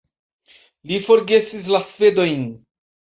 Li forgesis la svedojn.